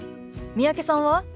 三宅さんは？